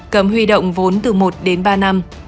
cấm huy động vốn từ một đến ba năm